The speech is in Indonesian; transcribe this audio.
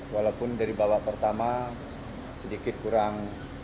walaupun dari babak pertama sedikit kurang